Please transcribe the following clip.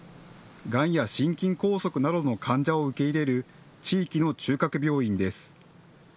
がんや心筋梗塞などの患者を受け入れる地域の中核病院です。